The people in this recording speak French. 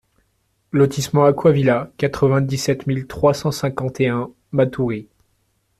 Lotissement Aquavilla, quatre-vingt-dix-sept mille trois cent cinquante et un Matoury